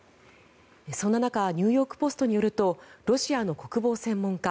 そんな中ニューヨーク・ポストによるとロシアの国防専門家